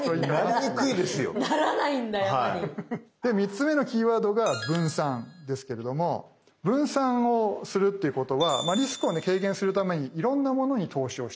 で３つ目のキーワードが分散ですけれども分散をするっていうことはリスクを軽減するためにいろんなものに投資をしていくという考え方です。